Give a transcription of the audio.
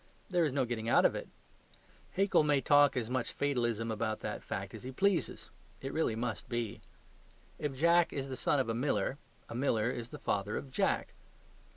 There is no getting out of it. Haeckel may talk as much fatalism about that fact as he pleases: it really must be. If Jack is the son of a miller, a miller is the father of Jack.